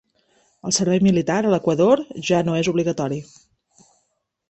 El Servei Militar a l'Equador ja no és obligatori.